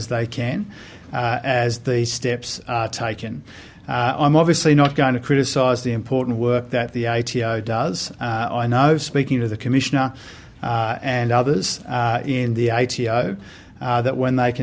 hal tersebut dengan cara yang paling sensitif